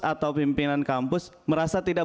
atau pimpinan kampus merasa tidak